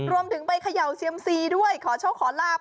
รวมถึงไปเขย่าเซียมซีด้วยขอโชคขอลาบ